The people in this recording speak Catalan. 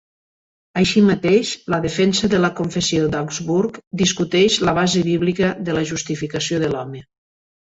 Així mateix, la Defensa de la Confessió d'Augsburg discuteix la base bíblica de la Justificació de l'home.